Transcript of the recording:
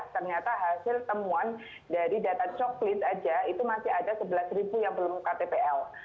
ternyata hasil temuan dari data coklit saja itu masih ada sebelas ribu yang belum ktpl